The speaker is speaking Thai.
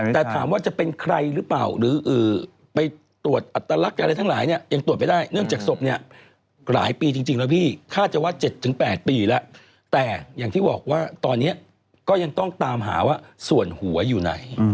แต่ถามว่าจะเป็นใครหรือเปล่าหรือไปตรวจอัตลักษณ์อะไรทั้งหลายเนี่ยยังตรวจไม่ได้เนื่องจากศพเนี่ยหลายปีจริงแล้วพี่คาดจะว่า๗๘ปีแล้วแต่อย่างที่บอกว่าตอนนี้ก็ยังต้องตามหาว่าส่วนหัวอยู่ไหน